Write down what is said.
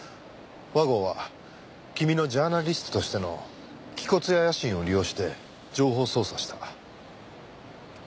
和合は君のジャーナリストとしての気骨や野心を利用して情報操作をした。